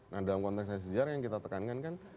nah dalam konteks sejarah yang kita tekankan kan